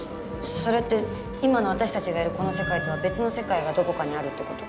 それって今の私たちがいるこの世界とは別の世界がどこかにあるってこと？